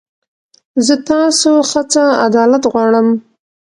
زه تاسو خڅه عدالت غواړم.